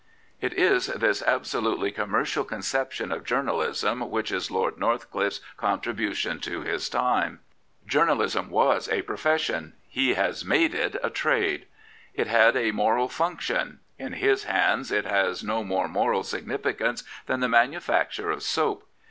It is this absolutely commercial conception of journalism which is Lord Northcliffe's contribution to his time. Journalism was a profession: he has made it a trade. It had a moral function: in his hands it has no more moral significance than the manufacture of soap.